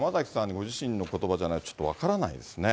ご自身のことばじゃないとちょっと分からないですね。